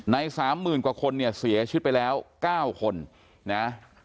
ใน๓หมื่นกว่าคนเนี่ยเสียชิดไปแล้ว๙คนนะ